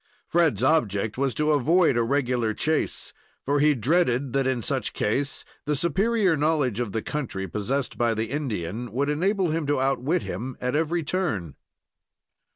Fred's object was to avoid a regular chase, for he dreaded that in such case the superior knowledge of the country possessed by the Indian would enable him to outwit him at every turn.